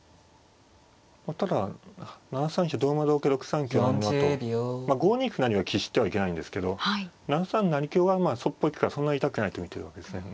６三香成のあと５二歩成は喫してはいけないんですけど７三成香はまあそっぽ行くからそんな痛くないと見てるわけですね。